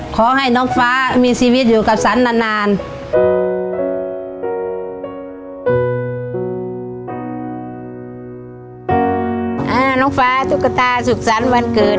ตอนน้องฟ้าตุ๊กตาสุขสรรค์วันเกิด